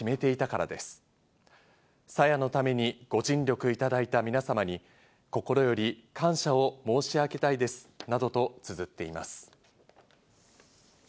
朝芽のためにご尽力いただいた皆様に、心より感謝を申し上げたいですなどとつづっています。